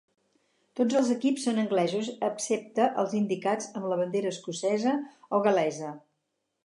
Tots els equips són anglesos excepte els indicats amb la bandera escocesa o gal·lesa.